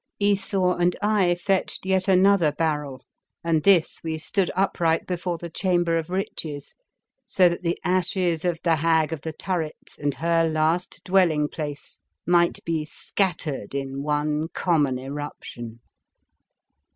Esau and I fetched yet another barrel and this we stood upright before the Chamber of Riches, so that the ashes of the Hag of the Turret and her last dwelling The Fearsome Island place might be scattered in one com mon eruption.